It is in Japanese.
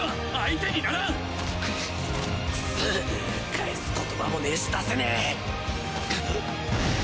返す言葉もねぇし出せねぇ